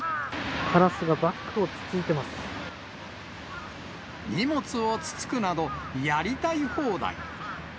カラスがバッグをつついてま荷物をつつくなど、やりたい放題。